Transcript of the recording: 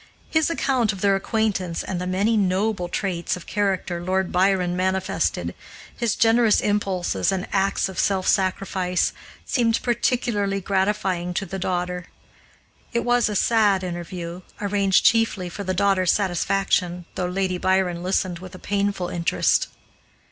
His account of their acquaintance and the many noble traits of character Lord Byron manifested, his generous impulses and acts of self sacrifice, seemed particularly gratifying to the daughter. It was a sad interview, arranged chiefly for the daughter's satisfaction, though Lady Byron listened with a painful interest.